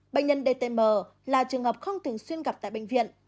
bệnh nhân dtm là trường hợp không thường xuyên gặp tại bệnh viện